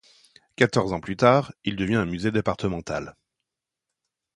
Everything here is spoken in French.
Quatorze ans plus tard, il devient un musée départemental.